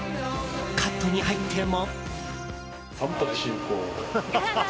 カットに入っても。